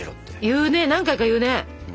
言うね何回か言うね。